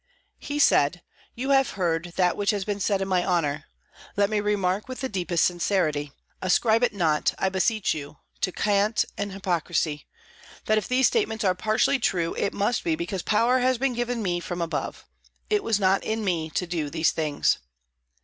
He said: "You have heard that which has been said in my honour. Let me remark with the deepest sincerity ascribe it not, I beseech you, to cant and hypocrisy that if these statements are partially true, it must be because power has been given me from above. It was not in me to do these things."